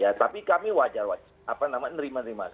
ya tapi kami wajar apa namanya nerima nerima saja